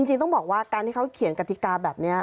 จริงต้องบอกว่าการที่เขาเขียนกติกาแบบนี้